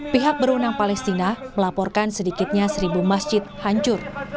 pihak berwenang palestina melaporkan sedikitnya seribu masjid hancur